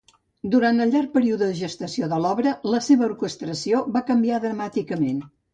Durant el llarg període de gestació de l'obra la seva orquestració va canviar dramàticament.